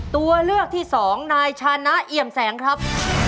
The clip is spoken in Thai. ตัวเลือกที่สองนายชานะเอี่ยมแสงครับ